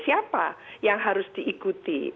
siapa yang harus diikuti